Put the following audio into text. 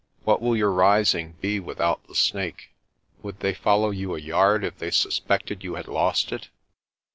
What will your rising be without the Snake? Would they follow you a yard if they suspected you had lost it?